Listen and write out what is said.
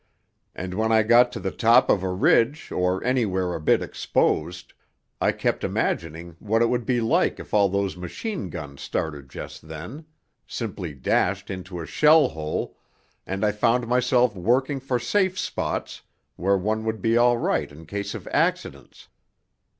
... and when I got on the top of a ridge or anywhere a bit exposed, I kept imagining what it would be like if all those machine guns started just then ... simply dashed into a shell hole ... and I found myself working for safe spots where one would be all right in case of accidents....